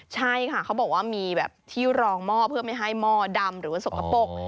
ใช่ค่ะเขาบอกว่ามีแบบที่รองหม้อเพื่อไม่ให้หม้อดำหรือว่าสกปรก